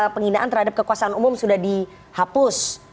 penghinaan terhadap kekuasaan umum sudah dihapus